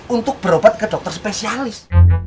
untuk berobat ke dokter spesialis